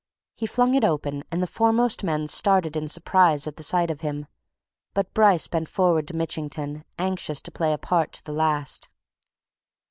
He flung it open, and the foremost men started in surprise at the sight of him. But Bryce bent forward to Mitchington anxious to play a part to the last.